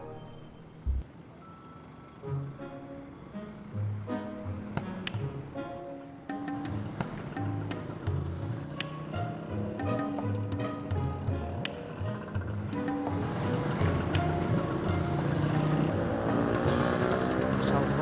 kira kira dong bal motor